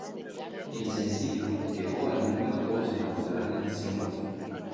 El sencillo llegó al número dos en Australian Singles.